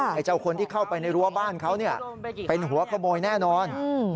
ไอ้เจ้าคนที่เข้าไปในรั้วบ้านเขาเป็นหัวขโมยแน่นอน